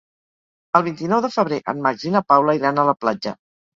El vint-i-nou de febrer en Max i na Paula iran a la platja.